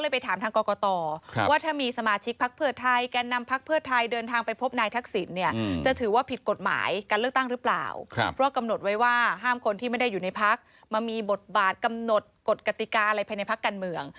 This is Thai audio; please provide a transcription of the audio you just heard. บาทกำหนดกฎกติกาอะไรภายในภาคการเมือง